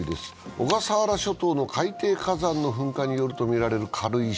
小笠原諸島の海底火山の噴火によるとみられる軽石。